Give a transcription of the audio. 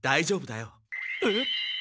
えっ？